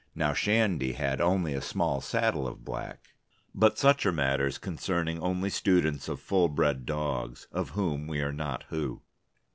Now Shandy had only a small saddle of black...." But such are matters concerning only students of full bred dogs, of whom we are not who.